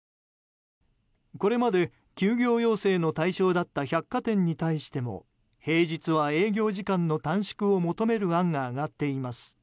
これまで、休業要請の対象だった百貨店に対しても平日は営業時間の短縮を求める案が上がっています。